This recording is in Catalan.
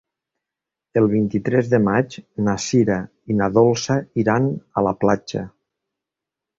El vint-i-tres de maig na Sira i na Dolça iran a la platja.